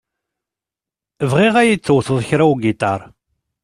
Bɣiɣ ad yi-d-tewteḍ kra ugiṭar.